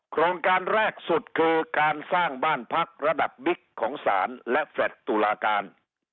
โครงการแรกสุดคือการสร้างบ้านพักระดับบิ๊กของศาลและแฟลต์ตุลาการ